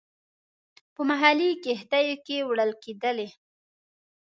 په محلي کښتیو کې وړل کېدلې.